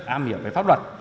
am hiểm về pháp luật